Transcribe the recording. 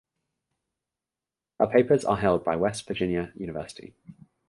Her papers are held by West Virginia University.